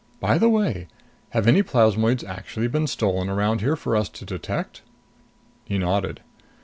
"By the way, have any plasmoids actually been stolen around here for us to detect?" He nodded.